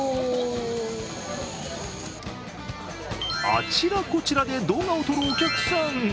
あちらこちらで動画を撮るお客さん。